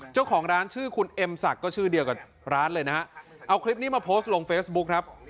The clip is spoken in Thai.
เจ้าของร้านชื่อคุณเอ็มศักดิ์ก็ชื่อเดียวกับร้านเลยนะฮะเอาคลิปนี้มาโพสต์ลงเฟซบุ๊คครับ